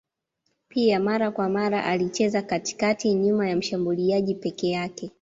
Pia mara kwa mara alicheza katikati nyuma ya mshambuliaji peke yake.